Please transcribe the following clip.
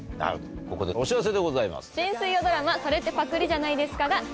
ここでお知らせでございます。